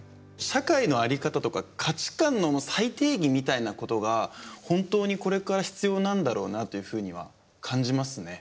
社会の在り方とか価値観の再定義みたいなことが本当にこれから必要なんだろうなというふうには感じますね。